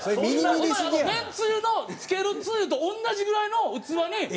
麺つゆのつけるつゆと同じぐらいの器に。